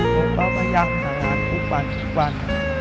ผมก็พยายามหางานทุกวันทุกวัน